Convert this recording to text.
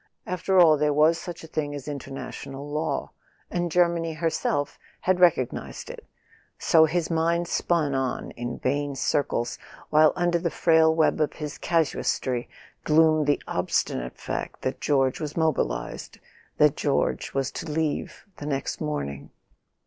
After all, there was such a thing as international law, and Germany herself had recog¬ nized it. .. So his mind spun on in vain circles, while under the frail web of his casuistry gloomed the ob¬ stinate fact that George was mobilised, that George was to leave the next morning.